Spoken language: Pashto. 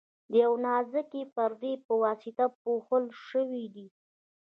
د یوې نازکې پردې په واسطه پوښل شوي دي.